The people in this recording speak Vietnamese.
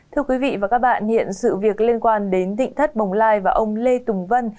thưa quý vị và các bạn hiện sự việc liên quan đến thịnh thất bồng lai và ông lê tùng vân